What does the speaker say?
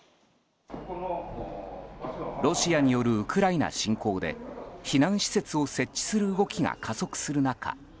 ロシアによるウクライナ侵攻で避難施設を設置する動きが加速する中